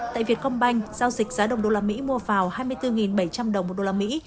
tại việt công banh giao dịch giá đồng đô la mỹ mua vào hai mươi bốn bảy trăm linh đồng một đô la mỹ